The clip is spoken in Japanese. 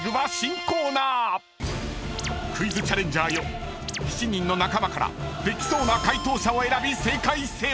［クイズチャレンジャーよ７人の仲間からできそうな解答者を選び正解せよ］